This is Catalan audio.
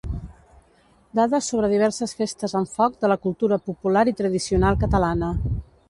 Dades sobre diverses festes amb foc de la cultura popular i tradicional catalana.